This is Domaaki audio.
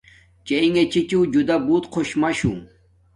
چݵئِݣݺ چِچِݵݸ جُدݳ بݸت خݸش مَشُو.